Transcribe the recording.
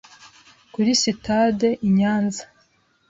kuri Sitade i Nyanza